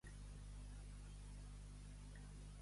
Si al teu marit vols mal en gran, dona-li cols per Sant Joan.